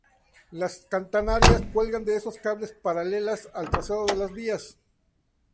Las catenarias cuelgan de estos cables, paralelas al trazado de las vías.